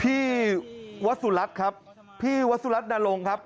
พี่วัสุรัติครับพี่วัสุรัตินารงครับ